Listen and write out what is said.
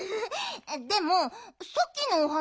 でもさっきのお花